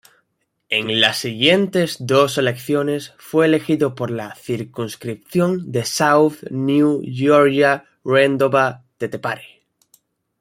En las siguientes dos elecciones fue elegido por la circunscripción de South New Georgia-Rendova-Tetepare.